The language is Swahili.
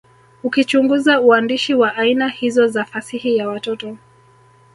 ukichunguza uandishi wa aina hizo za fasihi ya watoto